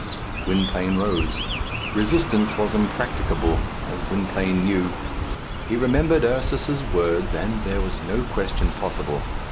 Gwynplaine rose. Resistance was impracticable, as Gwynplaine knew. He remembered Ursus's words, and there was no question possible.